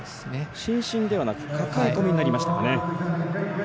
伸身ではなく抱え込みになりましたかね。